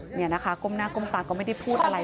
นี่นะคะก้มหน้าก้มตาก็ไม่ได้พูดอะไร